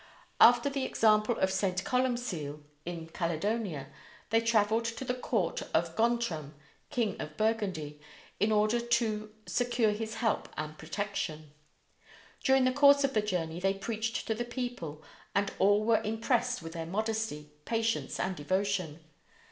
After the example of St. Columcille in Caledonia, they traveled to the court of Gontram, king of Burgundy, in order to secure his help and protection. During the course of the journey they preached to the people, and all were impressed with their modesty, patience, and devotion.